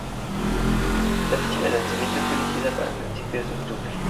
La fecha de lanzamiento fue fijada para principios de octubre.